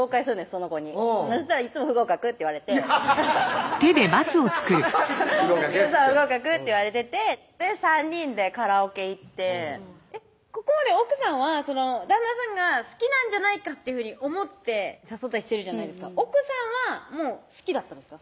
その子にそしたらいつも「不合格」って言われて「不合格」アハハッ「不合格」っつってで３人でカラオケ行ってここまで奥さんは旦那さんが好きなんじゃないかっていうふうに思って誘ったりしてるじゃないですか奥さんは好きだったんですか？